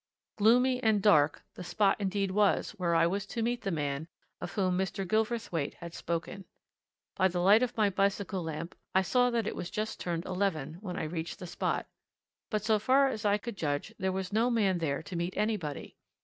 Gloomy and dark the spot indeed was where I was to meet the man of whom Mr. Gilverthwaite had spoken. By the light of my bicycle lamp I saw that it was just turned eleven when I reached the spot; but so far as I could judge there was no man there to meet anybody.